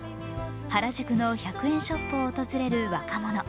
原宿の１００円ショップを訪れる若者。